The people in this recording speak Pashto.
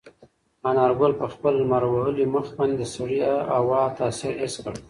انارګل په خپل لمر وهلي مخ باندې د سړې هوا تاثیر حس کړ.